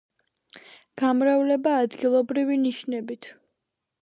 გამრავლება ადგილობრივი ნიშნებით